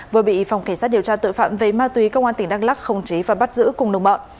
vừa bị phòng cảnh sát điều tra tội phạm về ma túy công an tỉnh đắk lắc khống chế và bắt giữ cùng đồng bọn